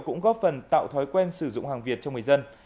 cũng góp phần tạo thói quen sử dụng hàng việt cho người dân